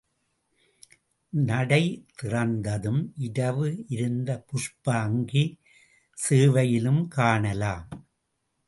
நடை திறந்ததும், இரவு இருந்த புஷ்ப அங்கி சேவையிலும் காணலாம்.